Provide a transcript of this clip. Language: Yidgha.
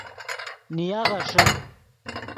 نیا غیݰے